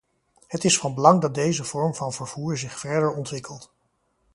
Het is van belang dat deze vorm van vervoer zich verder ontwikkelt.